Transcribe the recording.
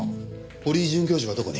堀井准教授はどこに？